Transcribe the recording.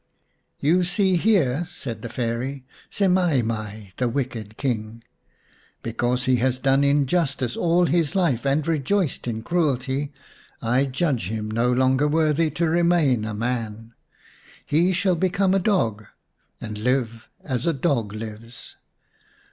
" You see here," said the Fairy, " Semai mai, the wicked King. Because he has done injustice all his life and rejoiced in cruelty, I judge him no longer worthy to remain a man. He shall become a dog and live as a dog lives.